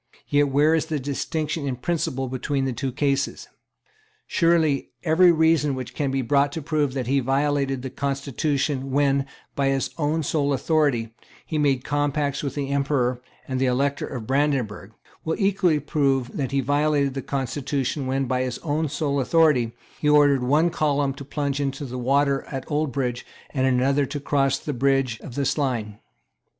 Yet where is the distinction in principle between the two cases? Surely every reason which can be brought to prove that he violated the constitution, when, by his own sole authority, he made compacts with the Emperor and the Elector of Brandenburg, will equally prove that he violated the constitution, when, by his own sole authority, he ordered one column to plunge into the water at Oldbridge and another to cross the bridge of Slane.